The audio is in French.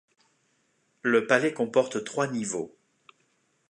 Le palais comporte trois niveaux.